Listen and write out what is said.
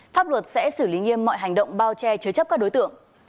pháp luật sẽ xử lý nghiêm mọi hành động bao che chứa chấp các đối tượng